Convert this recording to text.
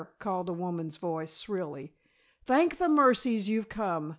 called a woman's voice shrilly. "Thank the mercies you've come!